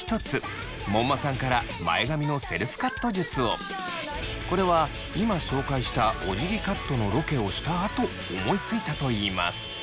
続いてこれは今紹介したおじぎカットのロケをしたあと思いついたといいます。